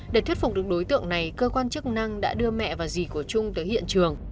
để thuyết phục được đối tượng này cơ quan chức năng đã đưa mẹ và dì của trung tới hiện trường